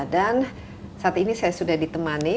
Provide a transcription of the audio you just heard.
dan saat ini saya sudah ditemani